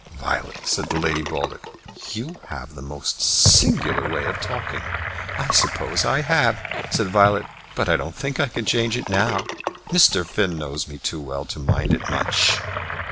"Violet," said Lady Baldock, "you have the most singular way of talking." "I suppose I have," said Violet; "but I don't think I can change it now. Mr. Finn knows me too well to mind it much."